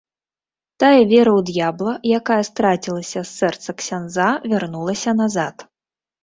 Тая вера ў д'ябла, якая страцілася з сэрца ксяндза, вярнулася назад.